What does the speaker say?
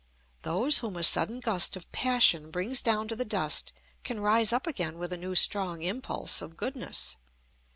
Those whom a sudden gust of passion brings down to the dust can rise up again with a new strong impulse of goodness.